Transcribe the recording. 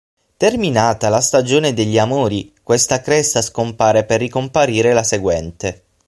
Terminata la stagione degli amori questa cresta scompare per ricomparire la seguente.